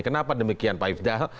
kenapa demikian pak ifdal